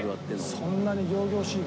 そんなに仰々しいか？